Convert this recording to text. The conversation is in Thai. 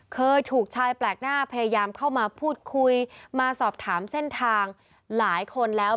เคยถูกชายแปลกหน้าพยายามเข้ามาพูดคุยมาสอบถามเส้นทางหลายคนแล้ว